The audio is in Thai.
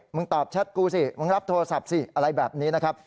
ตอบแชทกูสิมึงรับโทรศัพท์สิอะไรแบบนี้นะครับ